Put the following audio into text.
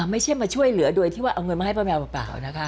ไม่ใช่มาช่วยเหลือโดยที่ว่าเอาเงินมาให้ป้าแมวเปล่านะคะ